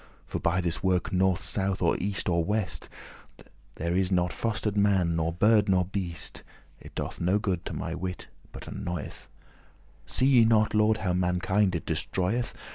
For by this work, north, south, or west, or east, There is not foster'd man, nor bird, nor beast: It doth no good, to my wit, but *annoyeth.* *works mischief* <7> See ye not, Lord, how mankind it destroyeth?